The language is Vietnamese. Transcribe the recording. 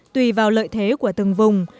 tùy vào lợi thế của từng vùng